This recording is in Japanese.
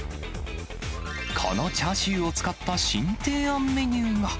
このチャーシューを使った新提案メニューが。